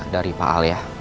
dari pak al ya